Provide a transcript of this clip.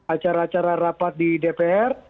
acara acara rapat di dpr